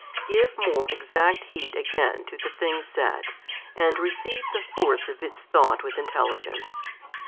Give more exact heed again to the things said, and receive the force of its thought with intelligence.